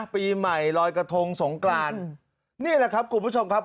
ปีใหม่ลอยกระทงสงกรานนี่แหละครับคุณผู้ชมครับ